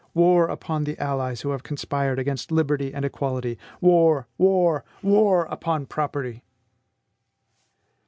War upon the allies who have conspired against liberty and equality! War! war! war upon property!"